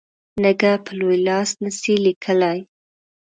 نږه په لوی لاس نه سي لیکلای.